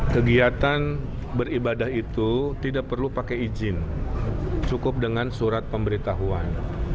kegiatan beribadah itu tidak perlu pakai izin cukup dengan surat pemberitahuan